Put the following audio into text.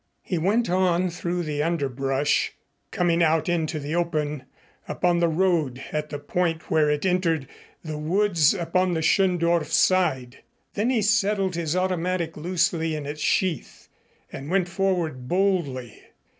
He went on through the underbrush, coming out into the open upon the road at the point where it entered the woods upon the Schöndorf side. Then he settled his automatic loosely in its sheath, and went forward boldly.